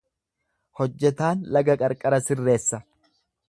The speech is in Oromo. Hojjetaan laga qarqara sirreessa.